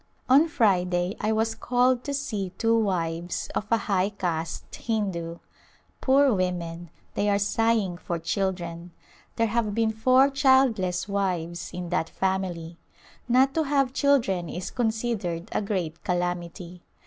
On Friday I was called to see two wives of a high caste Hindu. Poor women, they are sighing for children ! There have been four childless wives in that family. Not to have children is considered a great calamity.